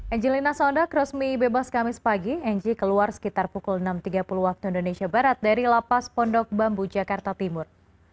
angelina sondak resmi bebas kamis pagi ng keluar sekitar pukul enam tiga puluh waktu indonesia barat dari lapas pondok bambu jakarta timur